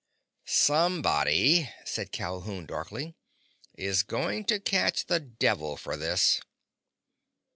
"Somebody," said Calhoun darkly, "is going to catch the devil for this!"